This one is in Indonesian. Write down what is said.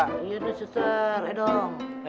iya tuh suster eh dong